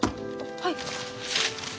はい。